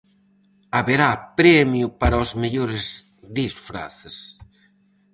Haberá premio para os mellores disfraces!